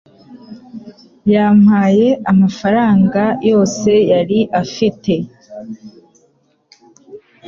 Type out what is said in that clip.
Yampaye amafaranga yose yari afite .